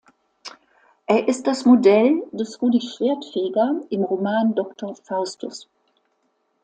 Er ist das Modell des Rudi Schwerdtfeger im Roman Doktor Faustus.